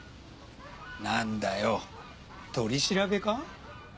なんだよ取り調べか？